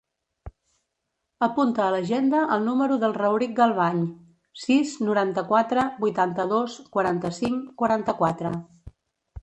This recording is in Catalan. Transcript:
Apunta a l'agenda el número del Rauric Galvañ: sis, noranta-quatre, vuitanta-dos, quaranta-cinc, quaranta-quatre.